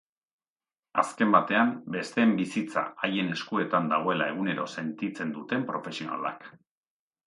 Azken batean, besteen bizitza haien eskuetan dagoela egunero sentitzen duten profesionalak.